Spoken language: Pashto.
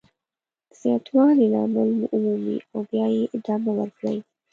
د زیاتوالي لامل ومومئ او بیا یې ادامه ورکړئ.